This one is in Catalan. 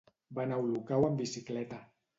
Va anar a Olocau amb bicicleta.